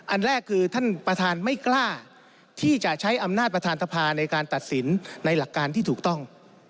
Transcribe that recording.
อันแรกคือท่านประธานไม่กล้าที่จะใช้อำนาจประธานสภาในการตัดสินในหลักการที่ถูกต้อง